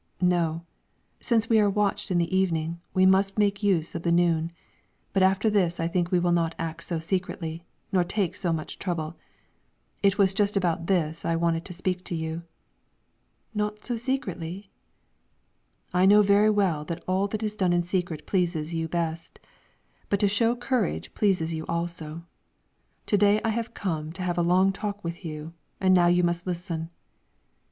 "No. Since we are watched in the evening, we must make use of the noon. But after this I think we will not act so secretly, nor take so much trouble; it was just about this I wanted to speak to you." "Not so secretly?" "I know very well that all that is done secretly pleases you best; but to show courage pleases you also. To day I have come to have a long talk with you, and now you must listen."